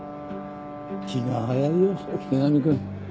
気が早いよ江上君。